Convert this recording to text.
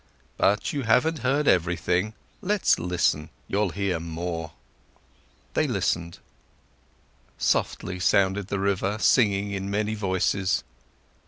"But you haven't heard everything. Let's listen, you'll hear more." They listened. Softly sounded the river, singing in many voices.